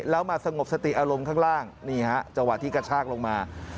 แล้วมาสงบสติอารมณ์ข้างล่างนี่ฮะจังหวะที่กระชากลงมา